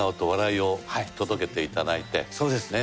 そうですね。